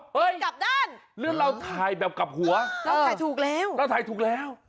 เฮ้ยหรือเราถ่ายแบบกลับหัวเราถ่ายถูกแล้ว